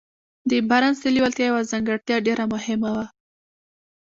د بارنس د لېوالتیا يوه ځانګړتيا ډېره مهمه وه.